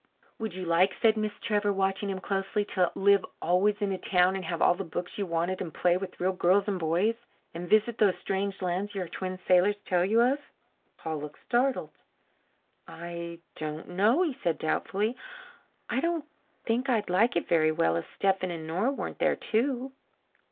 "Would you like," said Miss Trevor, watching him closely, "to live always in a town and have all the books you wanted and play with real girls and boys and visit those strange lands your twin sailors tell you of?" Paul looked startled. "I don't know," he said doubtfully. "I don't think I'd like it very well if Stephen and Nora weren't there too."